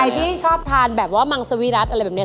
ที่ชอบทานแบบว่ามังสวิรัติอะไรแบบนี้